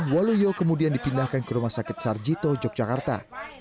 waluyo kemudian dipindahkan ke rumah sakit sarjito yogyakarta